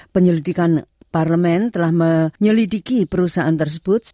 penyelidikan parlemen telah menyelidiki perusahaan tersebut